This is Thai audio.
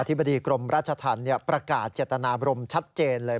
บดีกรมราชธรรมประกาศเจตนาบรมชัดเจนเลย